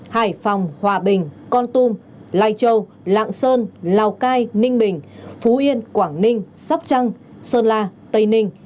hải phòng hòa bình con tum lai châu lạng sơn lào cai ninh bình phú yên quảng ninh sóc trăng sơn la tây ninh